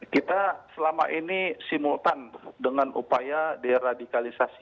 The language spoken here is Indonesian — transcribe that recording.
kita selama ini simultan dengan upaya deradikalisasi